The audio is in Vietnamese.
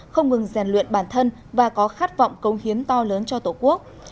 không ngừng giàn luyện bản thân và có khát vọng công hiến to lớn cho tổ quốc